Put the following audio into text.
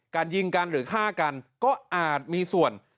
การยิงกันหรือฆ่ากันก็อาจมีส่วน